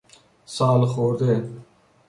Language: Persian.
سالخورده